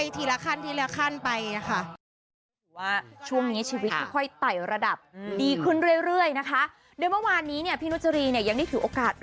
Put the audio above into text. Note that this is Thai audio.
ทีละขั้นทีละขั้นไปค่ะ